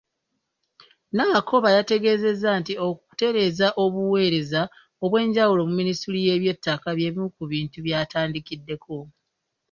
Nabakooba yategeezezza nti okutereeza obuweereza obwenjawulo mu Minisitule y'ebyettaka bye bimu ku bintu by'atandikiddeko.